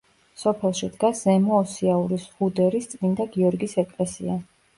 სოფელში დგას ზემო ოსიაურის ზღუდერის წმინდა გიორგის ეკლესია.